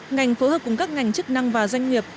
ngành phối hợp cùng các ngành chức năng và doanh nghiệp